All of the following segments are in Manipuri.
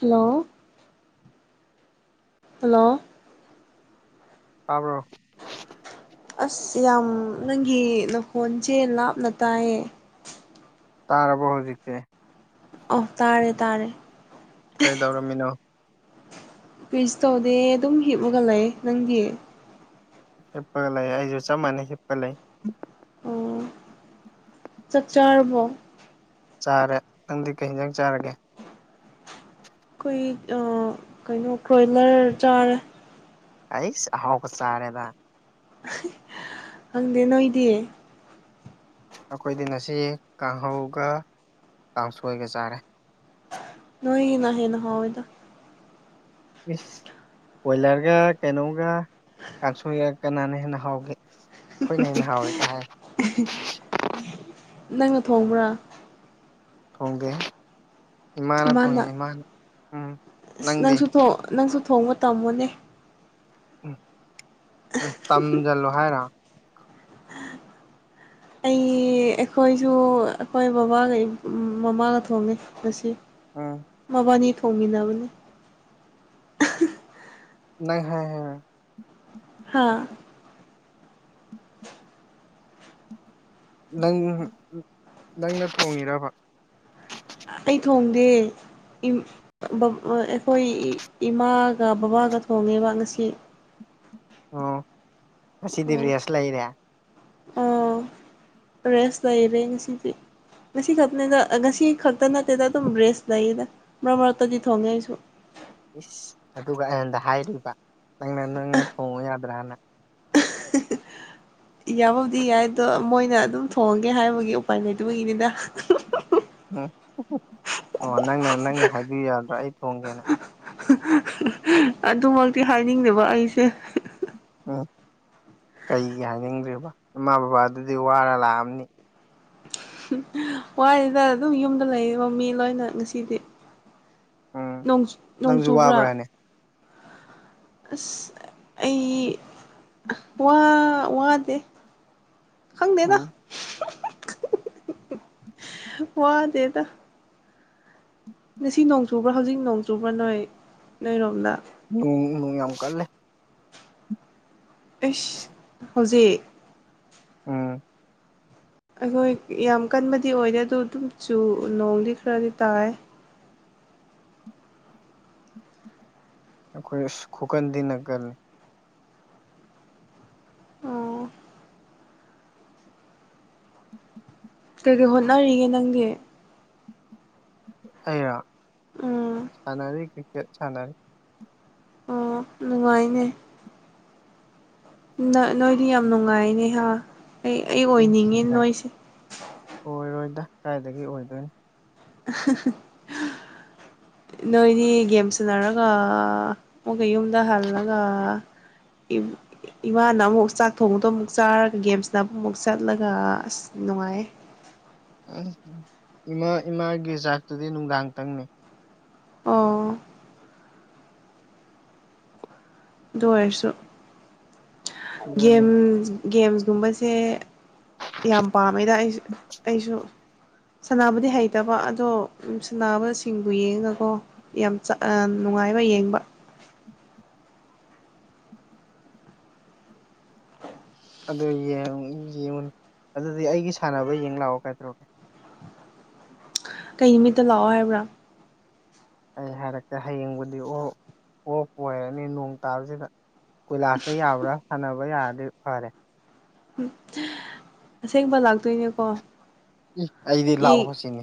ꯍꯜꯂꯣ ꯍꯜꯂꯣ ꯇꯥꯕ꯭ꯔꯣ ꯑꯁ ꯌꯥꯝ ꯅꯪꯒꯤ ꯅꯈꯣꯟꯁꯦ ꯂꯥꯞꯅ ꯇꯥꯏꯌꯦ ꯇꯥꯔꯕꯣ ꯍꯧꯖꯤꯛꯇꯁꯦ ꯑꯣ ꯇꯥꯔꯦ ꯇꯥꯔꯦ ꯀꯩꯗꯧꯔꯝꯃꯤꯅꯣ ꯀꯔꯤꯁꯨ ꯇꯧꯗꯦ ꯑꯗꯨꯝ ꯍꯤꯞꯃꯒ ꯂꯩ ꯅꯪꯒꯤ ꯍꯤꯞꯄꯒ ꯂꯩ ꯑꯩꯁꯨ ꯆꯞ ꯃꯥꯟꯅꯩ ꯍꯤꯞꯄ ꯂꯩ ꯆꯠꯆꯔ ꯔꯕꯣ ꯆꯥꯔꯦ ꯅꯪꯗꯤ ꯀꯩ ꯍꯗꯪ ꯆꯥꯔꯒꯦ ꯑꯩꯈꯣꯏ ꯀꯩꯅꯣ ꯀ꯭ꯔꯣꯏꯂꯔ ꯆꯥꯔꯦ ꯑꯩ ꯍꯥꯎꯕ ꯆꯥꯔꯦꯗ ꯈꯪꯗꯦ ꯅꯣꯏꯗꯤ ꯑꯩꯈꯣꯏꯗꯤ ꯉꯁꯤ ꯀꯥꯡꯍꯧꯒ ꯀꯥꯡꯁꯣꯏꯒ ꯆꯥꯔꯦ ꯅꯣꯏꯅꯒꯤꯅ ꯍꯦꯅꯍꯥꯎꯋꯤꯏꯗ ꯏꯁ ꯀꯣꯏꯂꯔꯒ ꯀꯩꯅꯣꯒ ꯀꯥꯡꯁꯣꯏꯒ ꯀꯅꯥꯅ ꯍꯦꯟꯅ ꯍꯥꯎꯒꯦ ꯑꯩꯈꯣꯏꯅ ꯍꯦꯟꯅ ꯍꯥꯎꯋꯦ ꯀꯩ ꯍꯥꯏ ꯅꯪꯅ ꯊꯣꯡꯕ꯭ꯔꯥ ꯊꯣꯡꯗꯦ ꯏꯃꯥꯅ ꯎꯝ ꯑꯁ ꯅꯪꯗꯤ ꯅꯪꯁꯨ ꯅꯪꯁꯨ ꯊꯣꯡꯕ ꯇꯝꯃꯣꯅꯦ ꯎꯝ ꯎꯝ ꯇꯝꯁꯤꯜꯂꯣ ꯍꯥꯏꯔ ꯑꯩ ꯑꯩꯈꯣꯏꯁꯨ ꯑꯩꯈꯣꯏ ꯕꯕꯥꯒ ꯃꯃꯥꯒ ꯊꯣꯡꯉꯦ ꯃꯁꯤ ꯎꯝ ꯃꯕꯥꯅꯤ ꯊꯣꯡꯃꯤꯟꯅꯕꯅꯤ ꯅ ꯍꯥꯏ ꯍꯥꯥ ꯅꯪ ꯅꯪꯅ ꯊꯣꯡꯉꯤꯔꯕ ꯑꯩ ꯊꯣꯡꯗꯦ ꯑꯩꯈꯣꯏ ꯏꯃꯥꯒ ꯕꯕꯥꯒ ꯊꯣꯡꯉꯦꯕ ꯉꯁꯤ ꯑꯣ ꯉꯁꯤꯗꯤ ꯔꯦꯁ ꯂꯩꯔꯦ ꯑꯣ ꯔꯦꯁ ꯂꯩꯔꯦ ꯉꯁꯤꯗꯤ ꯉꯁꯤ ꯈꯛꯇꯅꯤꯗ ꯉꯁꯤ ꯈꯛꯇ ꯅꯠꯇꯦꯗ ꯑꯗꯨꯝ ꯔꯦꯁ ꯂꯩꯌꯦꯗ ꯃꯔꯛ ꯃꯔꯛꯇꯗꯤ ꯊꯣꯡꯉꯦ ꯑꯩꯁꯨ ꯏꯁ ꯑꯗꯨꯒ ꯑꯩꯍꯟꯗ ꯍꯥꯏꯨꯕ ꯅꯪꯅ ꯅꯪꯅ ꯊꯣꯡꯉꯨ ꯌꯥꯗ꯭ꯔꯥꯅ ꯌꯥꯕꯕꯨꯗꯤ ꯌꯥꯏ ꯑꯗꯣ ꯃꯣꯏꯅ ꯑꯗꯨꯝ ꯊꯣꯡꯉꯒꯦ ꯍꯥꯏꯕꯒꯤ ꯎꯄꯥꯏꯅꯤꯗꯨꯕꯒꯤꯅꯤꯗ ꯎꯝ ꯑꯣ ꯅꯪꯅ ꯅꯪꯅ ꯍꯥꯏꯕꯤꯌꯨ ꯌꯥꯗ꯭ꯔꯥ ꯑꯩ ꯊꯣꯡꯒꯦꯅ ꯑꯗꯨꯃꯛꯇꯤ ꯍꯥꯏꯅꯤꯡꯗꯦꯕ ꯑꯩꯁꯦ ꯎꯝ ꯀꯩꯒꯤ ꯍꯥꯏꯅꯤꯡꯗ꯭ꯦꯔꯤꯕ ꯏꯃꯥ ꯕꯕꯥ ꯑꯗꯨꯗꯤ ꯋꯥꯔ ꯂꯥꯛꯑꯝꯅꯤ ꯋꯥꯔꯤꯁꯤꯗ ꯑꯗꯨꯝ ꯌꯨꯝꯗ ꯂꯩꯔꯤꯕ ꯃꯤ ꯂꯣꯏꯅ ꯉꯁꯤꯗꯤ ꯎꯝ ꯅꯪꯁꯨ ꯅꯣꯡꯖꯨꯕ꯭ꯔꯥ ꯋꯥꯕ꯭ꯔꯥꯅꯦ ꯑꯁ ꯑꯩ ꯋꯥ ꯋꯥꯗꯦ ꯈꯪꯗꯦꯗ ꯎꯝ [inaudible] ꯋꯥꯗꯦꯗ [inaudible] ꯉꯁꯤ ꯅꯣꯡ ꯆꯨꯕ꯭ꯔꯥ ꯍꯧꯖꯤꯛ ꯅꯣꯡ ꯆꯨꯕ꯭ꯔꯥ ꯅꯣꯏ ꯅꯣꯏꯔꯣꯝꯗ [unintelligible] ꯅꯣꯡ ꯌꯥꯝ ꯀꯜꯂꯦ ꯑꯦꯁ ꯍꯧꯖꯤꯛ ꯎꯝ ꯑꯩꯈꯣꯏ ꯌꯥꯝ ꯀꯟꯕꯗꯤ ꯑꯣꯏꯗꯦ ꯑꯗꯨꯗ ꯑꯗꯨꯝ ꯆꯨ ꯅꯣꯡꯗꯤ ꯈꯔꯗꯤ ꯇꯥꯏ ꯑꯩꯈꯣꯏ ꯑꯁ ꯈꯨꯀꯟ ꯇꯤꯅ ꯀꯂꯤ ꯑꯣ ꯀꯩꯀꯩ ꯍꯣꯠꯅꯔꯤꯒꯦ ꯅꯪꯗꯤ ꯑꯩꯔꯥ ꯎꯝ ꯁꯥꯟꯅꯔꯤ ꯀ꯭ꯔꯤꯀꯦꯠ ꯁꯥꯟꯅꯔꯤ ꯑꯣ ꯅꯨꯡꯉꯥꯏꯅꯦ ꯅꯣꯏꯗꯤ ꯌꯥꯝ ꯅꯨꯡꯉꯥꯏꯅꯦꯍꯥ ꯑꯣꯏꯔꯣꯏꯗ ꯀꯗꯥꯏꯗꯒꯤ ꯑꯣꯏꯗꯣꯏꯅꯣ [unintelligible] [inaudible] ꯅꯣꯏꯅꯤ ꯒꯦꯝ ꯁꯟꯅꯔꯒ ꯑꯃꯨꯛꯀ ꯌꯨꯝꯗ ꯍꯜꯂꯒ [unintelligible] ꯏꯃꯥꯅ ꯑꯃꯨꯛ ꯆꯥꯛ ꯊꯣꯡꯕꯗꯣ ꯑꯃꯨꯛ ꯆꯥꯔꯒ ꯒꯦꯝꯁꯅ ꯑꯃꯨꯛꯃꯨꯛ ꯆꯠꯂꯒ ꯑꯁ ꯅꯨꯡꯉꯥꯏ ꯎꯝ ꯏꯃꯥ ꯏꯃꯥꯒꯤ ꯆꯥꯛꯇꯨꯗꯤ ꯅꯨꯡꯗꯥꯡꯇꯪꯅꯤ ꯑꯣ ꯑꯗꯨ ꯑꯣꯏꯔꯁꯨ ꯑꯗꯨꯅꯤ ꯒꯦꯝ ꯒꯦꯝꯒꯨꯝꯕꯁꯦ ꯌꯥꯝ ꯄꯥꯝꯃꯤꯗ ꯑꯩꯁꯨ ꯑꯩꯁꯨ ꯁꯥꯅꯕꯗꯤ ꯍꯩꯇꯕ ꯑꯗꯣ ꯁꯤꯅꯕꯁꯤꯡꯗꯨ ꯌꯦꯡꯉꯀꯣ ꯌꯥꯝ ꯆ ꯅꯨꯡꯉꯥꯏꯕ ꯌꯦꯡꯕ ꯑꯗꯨꯝ ꯌꯦꯡꯉꯨꯅꯨ ꯑꯗꯨꯗꯤ ꯑꯩꯒꯤ ꯁꯥꯟꯅꯕ ꯌꯦꯡ ꯂꯥꯛꯑꯣ ꯀꯥꯏꯗꯧꯔꯒꯦ ꯀꯩ ꯅꯨꯃꯤꯠꯇ ꯂꯥꯛꯑꯣ ꯍꯥꯏꯕ꯭ꯔꯥ ꯑꯩ ꯍꯥꯏꯔꯛꯀꯦ ꯍꯌꯦꯡꯕꯨꯗꯤ ꯑꯣꯞ ꯑꯣꯞ ꯑꯣꯏꯔꯅꯤ ꯅꯣꯡ ꯇꯥꯕꯁꯤꯗ ꯀꯣꯏꯂꯥꯁꯇ ꯌꯥꯎꯕ꯭ꯔꯥ ꯁꯥꯟꯅꯕ ꯌꯥꯔꯗꯤ ꯐꯔꯦ ꯎ ꯑꯁꯦꯡꯕ ꯂꯥꯛꯇꯣꯏꯅꯦꯀꯣ ꯏ ꯑꯩꯗꯤ ꯌꯦꯡ ꯂꯥꯛꯑꯣ ꯁꯤꯅꯤ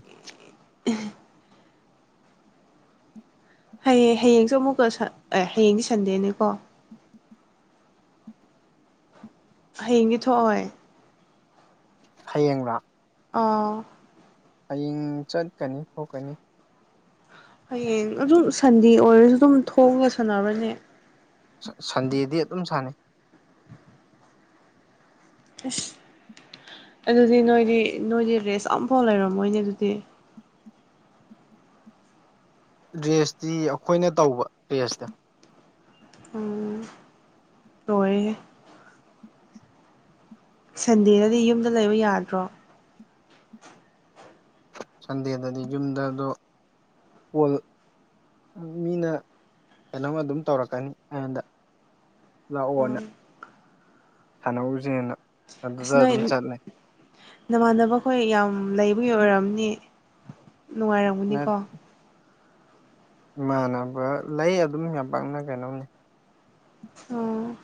ꯍꯌꯦꯡ ꯍꯌꯦꯡꯁꯨ ꯑꯃꯨꯛꯀ ꯑꯦ ꯍꯌꯦꯡꯒꯤ ꯁꯟꯗꯦꯅꯤꯀꯣ ꯍꯌꯦꯡꯒꯤ ꯊꯣꯛꯑꯣꯏ ꯍꯌꯦꯡꯂꯥ ꯑꯥ ꯍꯌꯦꯡ ꯆꯠꯀꯅꯤ ꯊꯣꯛꯀꯅꯤ ꯍꯌꯦꯡ ꯑꯗꯨꯝ ꯁꯟꯗꯦ ꯑꯣꯏꯔꯁꯨ ꯑꯗꯨꯝ ꯊꯣꯛꯑꯒ ꯁꯥꯟꯅꯕꯅꯦ ꯁꯟꯗꯦꯗꯤ ꯑꯗꯨꯝ ꯁꯥꯟꯅꯩ ꯏꯁ ꯑꯗꯨꯗꯤ ꯅꯣꯏꯗꯤ ꯅꯣꯏꯗꯤ ꯔꯦꯁ ꯑꯝꯐꯥꯎ ꯂꯩꯔꯝꯃꯣꯏꯅꯦ ꯑꯗꯨꯗꯤ ꯔ꯭ꯔꯦꯁꯇꯤ ꯑꯩꯈꯣꯏꯅ ꯇꯧꯕ ꯔꯦꯁꯇ ꯇꯣꯏ ꯁꯟꯗꯦꯗꯗꯤ ꯌꯨꯝꯗ ꯂꯩꯕ ꯌꯥꯗ꯭ꯔꯣ ꯁꯟꯗꯦꯗꯗꯤ ꯌꯨꯝꯗꯗꯣ ꯀꯣꯜ ꯃꯤꯅ ꯀꯩꯅꯣꯝꯃ ꯑꯗꯨꯝ ꯇꯧꯔꯛꯀꯅꯤ ꯑꯩꯉꯣꯟꯗ ꯑꯣ ꯂꯥꯛꯑꯣꯅ ꯁꯥꯟꯧꯔꯖꯦꯅ ꯑꯁ ꯅꯣꯏ ꯅꯃꯥꯟꯅꯕ ꯑꯩꯈꯣꯏ ꯌꯥꯝ ꯂꯩꯕꯒꯤ ꯑꯣꯏꯔꯝꯅꯤ ꯅꯨꯡꯉꯥꯏꯔꯝꯒꯅꯤꯀꯣ ꯏꯃꯥꯟꯅꯕ ꯂꯩ ꯑꯗꯨꯝ ꯌꯥꯝ ꯄꯥꯛꯅ ꯀꯩꯅꯣꯝꯅꯤ ꯑꯣ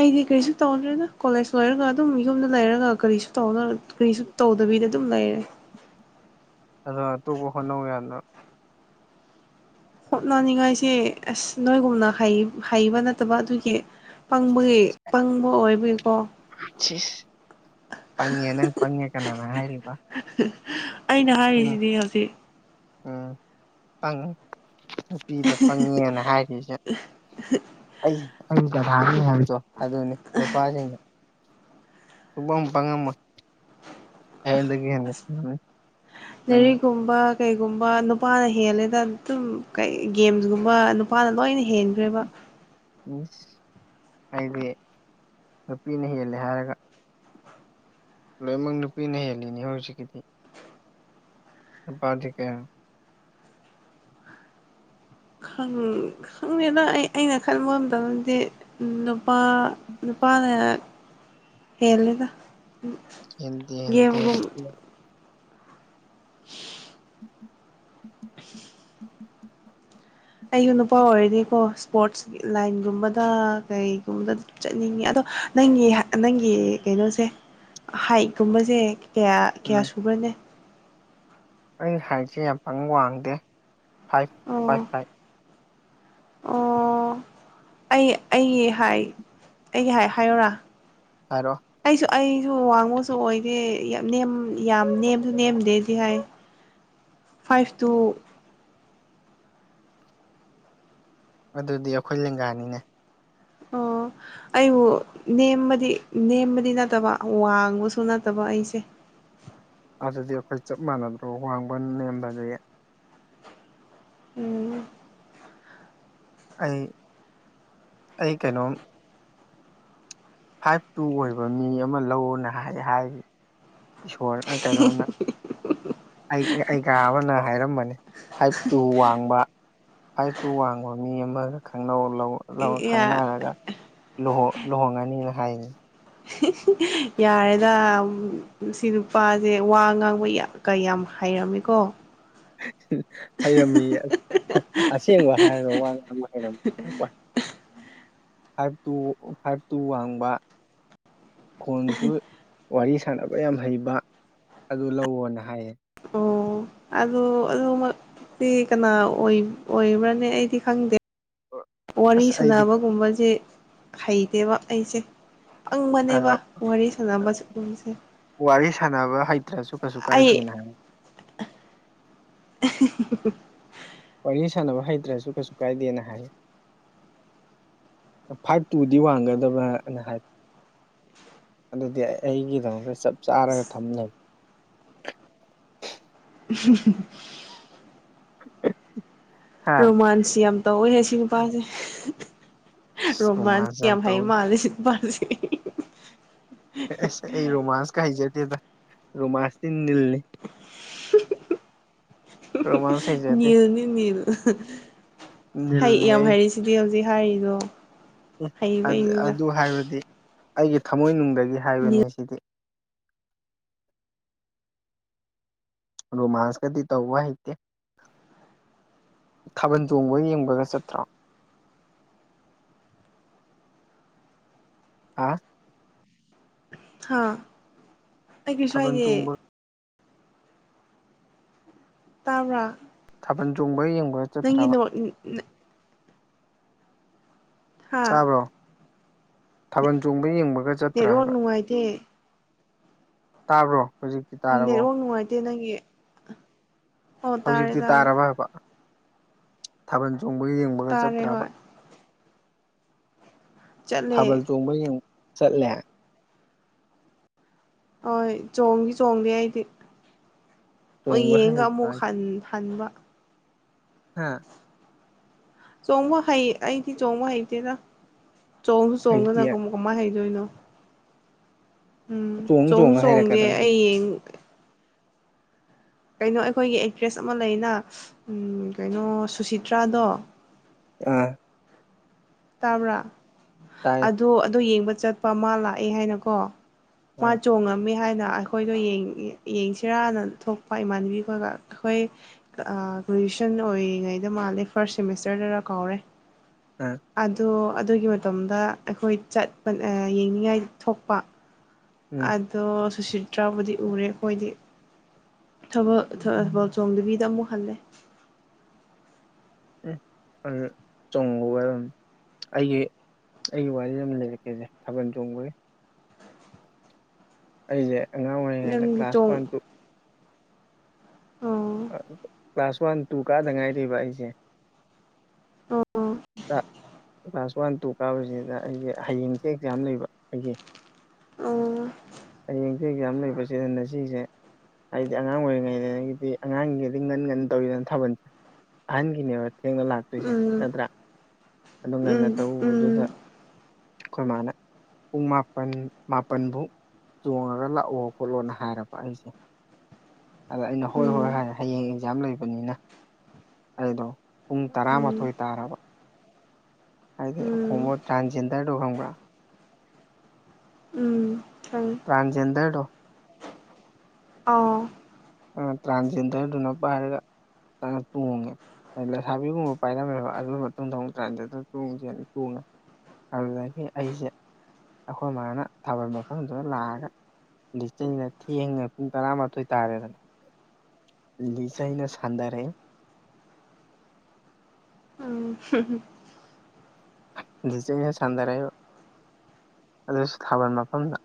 ꯑꯩꯗꯤ ꯀꯔꯤꯁꯨ ꯇꯧꯗ꯭ꯔꯦꯅ ꯀꯣꯂꯦꯖ ꯂꯣꯏꯔꯒ ꯑꯗꯨꯝ ꯌꯨꯝꯗ ꯂꯩꯔꯒ ꯀꯔꯤꯁꯨ ꯇꯧꯅ ꯀꯔꯤꯁꯨ ꯇꯧꯗꯕꯤꯗ ꯑꯗꯨꯝ ꯂꯩꯔꯦ ꯑꯣ ꯑꯇꯣꯞꯄ ꯍꯣꯠꯅꯧ ꯌꯥꯗ꯭ꯔꯣ ꯍꯣꯠꯅꯅꯤꯡꯉꯥꯏꯁꯦ ꯑꯁ ꯅꯣꯏꯒꯨꯝꯅ ꯍꯩꯕ ꯅꯠꯇꯕ ꯑꯗꯨꯒꯤ ꯄꯥꯡꯕꯒꯤ ꯄꯪꯕ ꯑꯣꯏꯕꯒꯤꯀꯣ ꯁꯤ ꯄꯪꯉꯦ ꯅꯪ ꯄꯪꯉꯦ ꯀꯅꯥꯅ ꯍꯥꯏꯔꯤꯕ ꯑꯩꯅ ꯎꯝ ꯍꯥꯏꯔꯤꯁꯤꯗꯤ ꯍꯧꯖꯤꯛ ꯎꯝ ꯄꯪꯉ ꯅꯨꯄꯤꯗ ꯄꯪꯉꯦꯅ ꯍꯥꯏꯔꯤꯁꯦ ꯑꯩ ꯍꯥꯏꯕꯗꯣ [unintelligible] ꯑꯗꯨꯅꯤ ꯅꯨꯄꯥꯁꯤꯡꯅ ꯄꯪ ꯄꯉꯃꯣꯏ ꯑꯦꯗ ꯍꯦꯟꯟꯅꯁꯤ ꯦꯔꯤꯒꯨꯝꯕ ꯀꯩꯒꯨꯝꯕ ꯅꯨꯄꯥꯅ ꯍꯦꯜꯂꯦꯗ ꯑꯗꯨꯝ ꯀꯩ ꯒꯦꯝꯁꯒꯨꯝꯕ ꯅꯨꯄꯥꯅ ꯂꯣꯏꯅ ꯍꯦꯟꯈ꯭ꯔꯦꯕ ꯃꯤꯁ ꯑꯩꯗꯤ ꯅꯨꯄꯤꯅ ꯍꯦꯜꯂꯦ ꯍꯥꯏꯔꯒ ꯂꯣꯏꯅꯃꯛ ꯅꯨꯄꯤꯅ ꯍꯦꯜꯂꯤꯅꯤ ꯍꯧꯖꯤꯛꯀꯤꯗꯤ ꯄꯥꯕꯥꯗꯤꯀꯦ ꯈꯪꯉꯦꯅ ꯑꯩ ꯑꯩꯅ ꯈꯟꯕ ꯉꯝꯗꯗꯤ ꯅꯨꯄꯥ ꯅꯨꯄꯥꯅ ꯍꯦꯜꯜꯂꯤꯦꯗ [inaudible] ꯍꯦꯟꯗꯦ ꯍꯦꯟꯗꯦ ꯑꯩꯁꯨ ꯅꯨꯄꯥ ꯑꯣꯏꯔꯗꯤꯀꯣ ꯁ꯭ꯄꯣꯔꯠꯁ ꯂꯥꯏꯟꯒꯨꯝꯕꯗ ꯀꯩꯒꯨꯝꯕꯗ ꯆꯠꯅꯤꯡꯉꯤ ꯑꯗꯣ ꯅꯪꯒꯤ ꯅꯪꯒꯤ ꯀꯩꯅꯣꯁꯦ ꯍꯥꯏꯛꯀꯨꯝꯕꯁꯦ ꯀꯌꯥ ꯀꯌꯥ ꯎꯝ ꯁꯨꯕꯔꯅꯦ ꯑꯩ ꯍꯥꯏꯠꯁꯦ ꯌꯥꯝ ꯄꯪ ꯋꯥꯡꯗꯦ ꯐꯥꯏꯚ ꯑꯣ ꯐꯥꯏꯚ ꯐꯥꯏꯚ ꯑꯣ ꯑꯩ ꯑꯩꯒꯤ ꯍꯥꯏ ꯑꯩꯒꯤ ꯍꯥꯏ ꯍꯥꯏꯌꯣꯔꯥ ꯍꯥꯏꯔꯣ ꯑꯩꯁꯨ ꯑꯩꯁꯨ ꯋꯥꯡꯃꯨꯁꯨ ꯑꯣꯏꯗꯦ ꯌꯥꯝ ꯅꯦꯝ ꯌꯥꯝ ꯅꯦꯝꯁꯨ ꯅꯦꯝꯗꯦꯗꯤ ꯍꯥꯏ ꯐꯥꯏꯚ ꯇꯨ ꯑꯗꯨꯗꯤ ꯑꯩꯈꯣꯏ ꯂꯦꯡꯒꯥꯅꯤꯅꯦ ꯑꯣ ꯑꯩꯕꯨ ꯅꯦꯝꯕꯗꯤ ꯅꯦꯝꯕꯗꯤ ꯅꯠꯇꯕ ꯋꯥꯡꯕꯁꯨ ꯅꯠꯇꯕ ꯑꯩꯁꯦ ꯑꯗꯨꯗꯤ ꯑꯩꯈꯣꯏ ꯆꯞ ꯃꯥꯟꯅꯗ꯭ꯔꯣ ꯋꯥꯡꯕ ꯅꯦꯝꯕꯗꯤ ꯎꯝ ꯑꯩ ꯑꯩ ꯀꯩꯅꯣꯝ ꯐꯥꯏꯚ ꯇꯨ ꯑꯣꯏꯕ ꯃꯤ ꯑꯃ ꯂꯧꯅ ꯍꯥꯏ ꯍꯥꯏꯔꯤ ꯏꯁꯣꯔꯅ ꯀꯩꯗꯧꯅ ꯑꯩ ꯀꯥ ꯑꯃꯅ ꯍꯥꯏꯔꯝꯕꯅꯤ ꯐꯥꯏꯚ ꯇꯨ ꯋꯥꯡꯕ ꯍꯥꯏꯥꯏꯞꯇꯨ ꯋꯥꯡꯕ ꯃꯤ ꯑꯃꯒ ꯈꯪꯅꯧ ꯂꯧ ꯈꯪꯅꯔꯒꯥ ꯂꯨꯍꯣꯡꯉꯥꯅꯤ ꯍꯥꯏꯅꯤ ꯌꯥꯔꯦꯗ ꯁꯤ ꯅꯨꯄꯥꯁꯦ ꯋꯥ ꯉꯥꯡꯕ ꯀꯌꯥꯝ ꯍꯩꯔꯝꯃꯤꯀꯣ ꯍꯩꯔꯝꯃꯤ ꯑꯁꯦꯡꯕ ꯍꯥꯏꯔꯒ ꯋꯥ ꯉꯥꯡꯕ ꯍꯩꯔꯝꯃꯤ ꯍꯥꯏꯔ ꯋꯥꯏ ꯐꯥꯏꯚ ꯇꯨ ꯐꯥꯏꯚ ꯇꯨ ꯋꯥꯡꯕ ꯈꯣꯟꯁꯨ ꯋꯥꯔꯤ ꯁꯥꯟꯅꯕ ꯌꯥꯝ ꯍꯩꯕ ꯑꯗꯨ ꯂꯧꯑꯣꯅ ꯍꯥꯏꯌꯦ ꯑꯣ ꯑꯗꯨ ꯑꯗꯨꯃꯛꯇꯤ ꯀꯅꯥ ꯑꯣꯏꯕ꯭ꯔꯅꯦ ꯑꯩꯗꯤ ꯈꯪꯗꯦ ꯋꯥꯔꯤ ꯑꯁ ꯑꯩꯗꯤ ꯁꯅꯕꯒꯨꯝꯕꯁꯦ ꯍꯩꯇꯦꯕ ꯑꯩꯁꯦ ꯄꯪꯕꯅꯦꯕ ꯋꯥꯔꯤ ꯁꯥꯟꯅꯕ ꯁꯨꯝꯕꯁꯦ ꯋꯥꯔꯤ ꯁꯥꯟꯅꯕ ꯍꯩꯇ꯭ꯔꯁꯨ ꯀꯩꯁꯨ ꯑꯩ ꯀꯥꯏꯗꯦꯅ ꯍꯥꯏ [inaudible] ꯋꯥꯔꯤ ꯁꯥꯟꯅꯕ ꯍꯩꯇ꯭ꯔꯁꯨ ꯀꯩꯁꯨ ꯀꯥꯏꯗꯦꯅ ꯍꯥꯏꯌꯦ ꯐꯥꯏꯚ ꯇꯨꯗꯤ ꯋꯥꯡꯒꯗꯕ꯭ꯔꯅ ꯍꯥꯏ ꯑꯗꯨꯗꯤ ꯑꯩ ꯑꯩꯒꯤꯗꯃꯛꯇ ꯆꯞ ꯆꯥꯔꯒ ꯊꯝꯂ [inaudible] [inaudible] ꯍꯥ ꯔꯣꯃꯥꯟꯁ ꯌꯥꯝ ꯇꯧꯋꯦ ꯁꯤ ꯅꯨꯄꯥꯁꯦ ꯔꯣꯃꯥꯟ ꯔꯣꯃꯥꯟꯁ ꯌꯥꯝ ꯐꯥꯏ ꯇꯧꯋꯤ ꯃꯥꯂꯁꯤ ꯃꯥꯁꯤ ꯑꯁ ꯑꯩ ꯔꯣꯃꯥꯟꯁꯀ ꯍꯩꯖꯗꯦꯗ ꯔꯣꯃꯥꯟꯁꯇꯤ ꯅꯤꯜꯅꯤ ꯔꯣꯃꯥꯟꯁ ꯍꯩꯖꯗꯦ ꯃꯤꯂꯅꯤ ꯃꯤꯂ ꯍꯩ ꯅꯤꯜꯅꯤ ꯌꯥꯝ ꯑꯩ ꯍꯥꯏꯔꯤꯁꯤꯗꯤ ꯍꯧꯖꯤꯛ ꯍꯥꯏꯔꯤꯗꯣ ꯑꯦ ꯍꯩꯕꯩꯅꯤꯗ ꯑꯗꯨ ꯍꯥꯏꯕꯗꯤ ꯑꯩꯒꯤ ꯊꯃꯣꯏꯅꯨꯡꯗꯒꯤ ꯅꯤꯜ ꯍꯥꯏꯕꯅꯦ ꯁꯤꯗꯤ ꯔꯣꯃꯥꯟꯁ ꯀꯗꯤ ꯇꯧꯕ ꯍꯩꯇꯦ ꯊꯥꯕꯜ ꯆꯣꯡꯕꯒ ꯌꯦꯡꯕꯒ ꯆꯠꯇ꯭ꯔꯣ ꯍꯥ ꯍꯥ ꯑꯩ ꯊꯥꯕꯜ ꯀꯩꯁꯨꯏꯗꯌꯦ ꯆꯣꯡꯕ ꯇꯕꯔꯥ ꯊꯥꯕꯜ ꯆꯣꯡꯕ ꯌꯦꯡꯕ ꯅꯪꯒꯤ ꯅꯣ ꯍꯥ ꯆꯥꯕ꯭ꯔꯣ ꯊꯥꯕꯜ ꯆꯣꯡꯕ ꯌꯦꯡꯕꯒ ꯆꯠꯇ꯭ꯔꯥ ꯍꯥꯏꯕ ꯥꯏꯗꯦ ꯇꯥꯕ꯭ꯔꯣ ꯍꯧꯖꯤꯛꯇꯤ ꯇꯥꯔꯕꯣ ꯅꯦꯠꯋꯥꯛ ꯅꯨꯡꯉꯥꯏꯇꯦ ꯅꯪꯒꯤ ꯑꯣ ꯇꯥꯔꯦ ꯍꯧꯖꯤꯛꯇꯤ ꯇꯥꯔꯦ ꯇꯥꯔꯕ ꯍꯥꯏꯕ ꯊꯥꯕꯜ ꯆꯣꯡꯕ ꯌꯦꯡꯕꯒ ꯇꯥꯔꯦ ꯆꯠꯇ꯭ꯔꯕ ꯍꯣꯏ ꯆꯠꯂꯦ ꯊꯥꯕꯜ ꯆꯣꯡꯕ ꯆꯠꯂꯦ ꯍꯣꯏ ꯆꯣꯡꯗꯤ ꯆꯣꯡꯗꯦ ꯑꯩꯗꯤ ꯍ ꯆꯣꯡꯕ ꯌꯦꯡꯒ ꯍꯩꯇ꯭ꯔꯣ ꯑꯃꯨꯛ ꯍꯥꯏꯁꯦ ꯍꯟ ꯍꯟꯕ ꯍꯥꯥ ꯆꯣꯡꯕ ꯍꯩ ꯑꯩꯗꯤ ꯆꯣꯡꯕ ꯍꯩꯇꯦꯔꯥ ꯆꯣꯡꯁꯨ ꯆꯣꯡꯉꯅ ꯍꯩꯇꯦ ꯀꯝꯃꯣ ꯀꯃ ꯍꯩꯗꯣꯏꯅꯣ ꯎꯝ ꯆꯣꯡ ꯆꯣꯡꯁꯨ ꯆꯣꯡꯉ ꯆꯣꯡꯗꯦ ꯍꯩꯔꯛꯀꯗꯕꯅꯤ ꯑꯩꯡ ꯀꯩꯅꯣ ꯑꯩꯈꯣꯏꯒꯤ ꯑꯦꯛꯇ꯭ꯔꯦꯁ ꯑꯃ ꯂꯩꯅ ꯀꯩꯅꯣ ꯁꯨꯁꯤꯇ꯭ꯔꯥꯗꯣ ꯑ ꯇꯕꯔꯥ ꯇꯥꯏꯌꯦ ꯑꯗ ꯑꯗꯨꯣ ꯌꯦꯡꯕ ꯆꯠꯄ ꯃꯥ ꯂꯥꯛꯑꯦ ꯍꯥꯏꯅꯀꯣ ꯃꯥ ꯑꯥ ꯆꯣꯉꯝꯃꯦ ꯍꯥꯏꯅ ꯑꯩꯈꯣꯏꯗꯣ ꯌꯦꯡꯁꯤꯔꯥꯅ ꯊꯣꯛꯄ ꯏꯃꯥꯟꯅꯕꯤ ꯈꯒ ꯑꯩꯈꯣꯏ ꯒ꯭ꯔꯦꯖꯨꯦꯁꯟ ꯑꯣꯏꯔꯤꯉꯩꯗ ꯃꯥꯜꯂꯦ ꯐꯥꯔꯁꯠ ꯁꯦꯃꯤꯁꯇꯔꯗꯔ ꯀꯥꯎꯔꯦ ꯑ ꯑꯗꯣ ꯑꯗꯨꯒꯤ ꯃꯇꯝꯗ ꯑꯩꯈꯣꯏ ꯆꯠꯄ ꯌꯦꯡꯅꯤꯡꯉꯥꯏ ꯊꯣꯛꯄ ꯎꯝ ꯑꯗꯣ ꯁꯨꯁꯤꯇ꯭ꯔꯕꯨꯗꯤ ꯎꯔꯦ ꯑꯩꯈꯣꯏꯗꯤ ꯊꯕ ꯊꯕꯜ ꯆꯣꯡꯗꯕꯤꯗ ꯑꯃꯨꯛ ꯍꯜꯂꯦ ꯑꯗꯨ ꯆꯣꯡꯉꯒ ꯑꯗꯨꯝ ꯑꯩꯒꯤ ꯑꯩꯒꯤ ꯋꯥꯔꯤ ꯑꯃ ꯂꯩꯔꯛꯀꯦꯁꯦ ꯊꯥꯕꯜ ꯆꯣꯡꯕꯒꯤ ꯑꯩꯁꯦ ꯑꯉꯥꯡ ꯑꯣꯏꯔꯤꯉꯩꯗ ꯅꯪꯗꯤ ꯀ꯭ꯂꯥꯁ ꯋꯥꯟ ꯆꯣꯡ ꯇꯨ ꯑꯣ ꯑ ꯀ꯭ꯂꯥꯁ ꯋꯥꯟ ꯇꯨ ꯀꯥꯗ ꯉꯥꯏꯔꯤꯕ ꯑꯩꯁꯦ ꯑꯣ ꯀ꯭ꯂꯥꯁ ꯋꯥꯟ ꯇꯨ ꯀꯥꯕꯁꯤꯗ ꯑꯩꯁꯦ ꯍꯌꯦꯡꯁꯦ ꯑꯦꯛꯖꯥꯝ ꯂꯩꯕ ꯑꯩꯒꯤ ꯑ ꯍꯌꯦꯡꯈ ꯑꯦꯛꯖꯥ ꯌꯥꯝ ꯂꯩꯕꯁꯦꯗꯅ ꯁꯤꯁꯦ ꯍꯥꯏꯗꯤ ꯑꯉꯥꯡ ꯑꯣꯏꯔꯤꯉꯩꯗꯒꯤꯗꯤ ꯑꯉꯥꯡꯒꯤꯗꯤ ꯉꯟ ꯉꯟꯅ ꯇꯧꯤꯗꯅ ꯊꯥꯕꯜꯁꯦ ꯑꯍꯟꯒꯤꯅꯦꯕ ꯊꯦꯡꯅ ꯂꯥꯛꯇꯣꯏꯁꯦ ꯎꯝ ꯅꯠꯇ꯭ꯔꯥ ꯑꯗꯨ ꯉꯟꯅ ꯎꯝ ꯇꯗꯨꯗ ꯎꯝ ꯑꯩꯈꯣꯏ ꯃꯥꯅ ꯄꯨꯡ ꯃꯥꯄꯟ ꯃꯥꯄꯜꯐꯥꯎ ꯆꯣꯡꯉꯒ ꯂꯥꯛꯑꯣ ꯈꯣꯠꯂꯣꯅ ꯍꯥꯏꯔꯕ ꯑꯩꯁꯦ ꯑꯗ ꯑꯩꯅ ꯍꯣꯏ ꯍꯣꯏ ꯎꯝ ꯍꯥꯏꯅ ꯍꯌꯦꯡ ꯑꯦꯛꯖꯥꯝ ꯂꯩꯕꯅꯤꯅ ꯑꯩꯗꯣ ꯄꯨꯡ ꯇꯔꯥꯃꯥꯊꯣꯏ ꯎꯝ ꯇꯥꯔꯕ ꯍꯥꯏꯗꯤ ꯎꯝ ꯍꯣꯃꯣ ꯇ꯭ꯔꯥꯟꯖꯦꯟꯗꯔꯗꯣ ꯈꯪꯕ꯭ꯔꯥ ꯎꯝ ꯐꯪ ꯇꯥꯖꯦꯟꯗꯦ ꯇꯣ ꯑꯥ ꯇ꯭ꯔꯥꯟꯖꯦꯟꯗꯔꯗꯨꯅ ꯄꯥꯏꯔꯒ ꯇꯣꯡꯉꯦ ꯂꯩꯁꯥꯕꯤꯒꯨꯝꯕ ꯄꯥꯏꯔꯝꯃꯦꯕ ꯑꯗꯨꯒꯤ ꯃꯇꯨꯡꯗ ꯇ꯭ꯔꯟꯁ ꯒꯦꯟꯗꯔ ꯆꯣꯡꯁꯤ ꯆꯨꯅ ꯑꯗꯨꯗꯒꯤ ꯑꯩꯁꯦ ꯑꯩꯈꯣꯏ ꯃꯥꯅ ꯊꯥꯕꯜ ꯃꯐꯝꯗꯨꯗ ꯂꯥꯛꯑꯒ ꯑꯇꯩꯅ ꯊꯦꯡꯅ ꯄꯨꯡ ꯇꯔꯥꯃꯥꯊꯣꯏ ꯇꯥꯔꯦꯗꯅ ꯂꯤꯆꯩꯅ ꯁꯥꯟꯗꯥꯔꯦ ꯎꯝ [unintelligible] ꯂꯤꯆꯩꯅ ꯁꯥꯟꯗꯔꯛꯏꯕ ꯑꯗꯨꯁꯨ ꯊꯥꯕꯜ ꯃꯐꯝꯗ